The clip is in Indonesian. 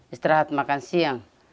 istirahat makan siang